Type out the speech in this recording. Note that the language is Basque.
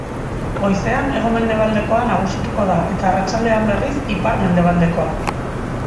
Goizean, hego-mendebaldekoa nagusituko da eta arratsaldean, berriz, ipar-mendebaldekoa.